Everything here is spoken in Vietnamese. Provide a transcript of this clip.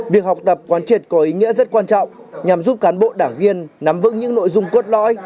việc học tập quán triệt có ý nghĩa rất quan trọng nhằm giúp cán bộ đảng viên nắm vững những nội dung cốt lõi